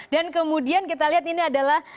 dan kemudian kita lihat ini adalah